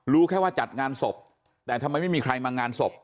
รู้แค่ว่าจัดงานศพแต่ทำไมไม่มีใครมางานศพ